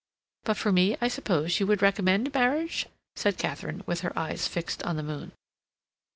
"But for me I suppose you would recommend marriage?" said Katharine, with her eyes fixed on the moon.